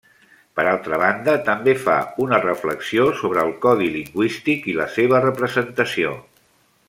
Per altra banda també fa una reflexió sobre el codi lingüístic i la seva representació.